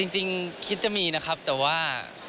จริงคิดจะมีนะครับแต่ว่า